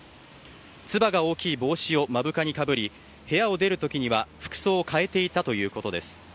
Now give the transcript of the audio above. つばが大きい帽子を目深にかぶり部屋を出る時には服装を変えていたということです。